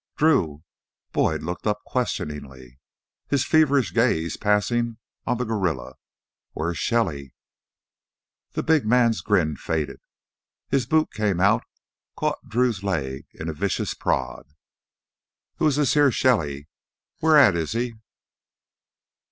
"Drew?" Boyd looked up questioningly, his feverish gaze passing on to the guerrilla. "Where's Shelly?" The big man's grin faded. His big boot came out, caught Drew's leg in a vicious prod. "Who's this here Shelly? Whar at is he?"